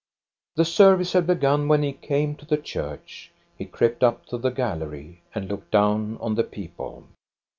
The service had begun when he came to the church. He crept up to the gallery, and looked down on the people.